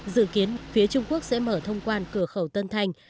dự kiến phía trung quốc sẽ mở thông quan cửa khẩu tân thanh